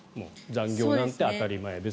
残業なんて当たり前です